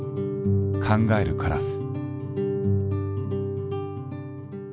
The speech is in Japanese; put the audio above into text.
「考えるカラス」。